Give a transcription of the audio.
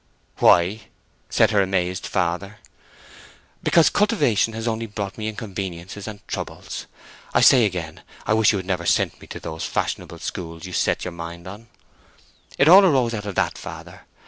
"Why?" said her amazed father. "Because cultivation has only brought me inconveniences and troubles. I say again, I wish you had never sent me to those fashionable schools you set your mind on. It all arose out of that, father.